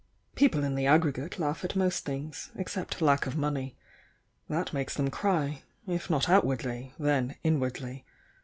"People in the aggregate laugh at most things, except lack of money. That makes them cry — if not outwardly, then inwardly.